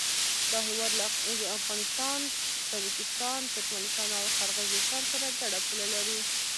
دا هېواد له افغانستان، تاجکستان، ترکمنستان او قرغیزستان سره ګډه پوله لري.